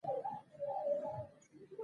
ښه چلند د پیرودونکي زړه ګټي.